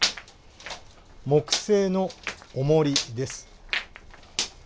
木製のおもりです。